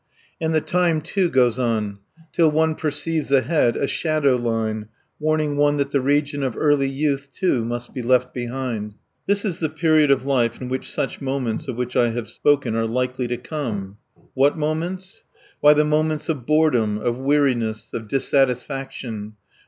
And the time, too, goes on till one perceives ahead a shadow line warning one that the region of early youth, too, must be left behind. This is the period of life in which such moments of which I have spoken are likely to come. What moments? Why, the moments of boredom, of weariness, of dissatisfaction.